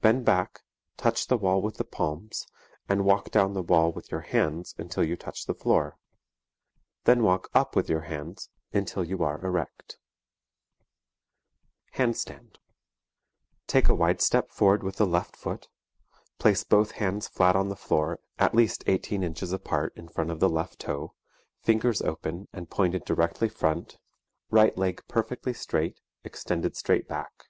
Bend back, touch the wall with the palms and walk down the wall with your hands until you touch the floor. Then walk up with your hands until you are erect. [Illustration: The Back Bend on the Flat, and Near a Wall] HAND STAND Take a wide step forward with the left foot, place both hands flat on the floor at least eighteen inches apart in front of the left toe, fingers open and pointed directly front, right leg perfectly straight, extended straight back.